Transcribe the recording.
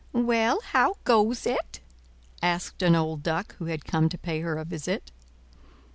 "Well, how goes it?" asked an old Duck who had come to pay her a visit.